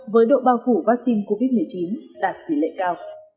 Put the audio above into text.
với độ bao phủ vaccine covid một mươi chín đạt tỷ lệ cao